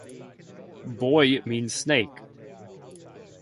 "Boi" means snake.